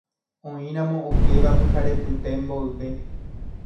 oĩramo okéva pyharepyte mboyve